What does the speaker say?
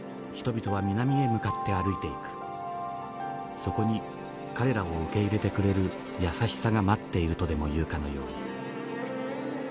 そこに彼らを受け入れてくれる優しさが待っているとでもいうかのように。